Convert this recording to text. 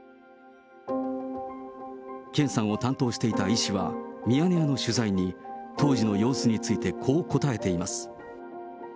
健さんを担当していた医師は、ミヤネ屋の取材に、当時の様子についてこう答えています。